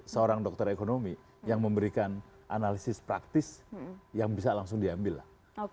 seorang dokter ekonomi yang memberikan analisis praktis yang bisa langsung diambil lah